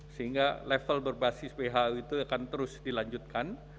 sehingga level berbasis who itu akan terus dilanjutkan